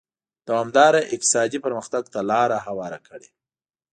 دوامداره اقتصادي پرمختګ ته لار هواره کړي.